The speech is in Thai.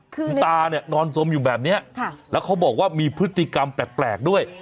คุณตาเนี่ยนอนสมอยู่แบบนี้แล้วเขาบอกว่ามีพฤติกรรมแปลกด้วย